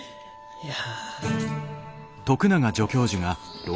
いや。